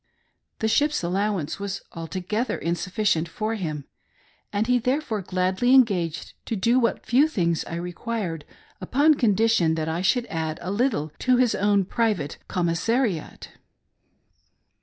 The ship's allowance was altogether insuffi cient for him, and he, therefore, gladly engaged to do what few things I required upon condition that I should add a little to his own private commissariat.